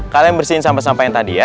kalian bersihin sampah sampah yang tadi ya